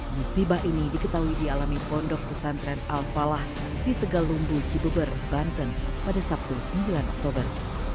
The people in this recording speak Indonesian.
musibah ini diketahui dialami pondok pesantren al falah di tegalumbu cibeber banten pada sabtu sembilan oktober